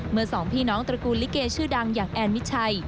สองพี่น้องตระกูลลิเกชื่อดังอย่างแอนมิดชัย